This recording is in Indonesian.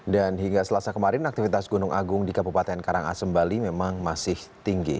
dan hingga selasa kemarin aktivitas gunung agung di kabupaten karangasem bali memang masih tinggi